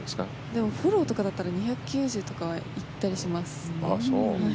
でもフォローとかだったら２９０とか行ったりします。